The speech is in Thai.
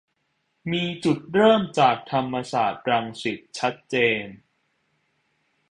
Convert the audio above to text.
มีจุดเริ่มจากธรรมศาสตร์รังสิตชัดเจน